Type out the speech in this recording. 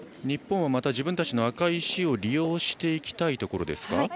日本はまた自分たちの赤い石を利用していきたいところですか。